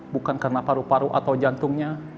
bukan karena paru paru atau jantungnya